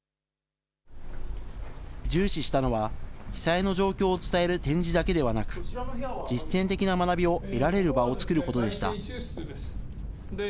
重視したのは、被災の状況を伝える展示だけではなく、実践的な学びを得られる場を作ることでした。